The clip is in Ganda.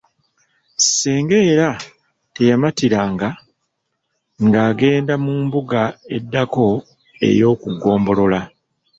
"Ssenga era teyamatiranga, ng’agenda mu mbuga eddako ey’oku Ggombolola."